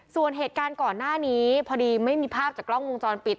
ส่วนเหตุการณ์ก่อนหน้านี้พอดีไม่มีภาพจากกล้องวงจรปิด